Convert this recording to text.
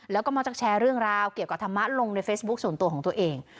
แล้วก็มักจะแชร์เรื่องราวเกี่ยวกับธรรมะลงในเฟซบุ๊คส่วนตัวของตัวเอง